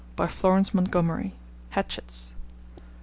By Florence Montgomery. (Hatchards.)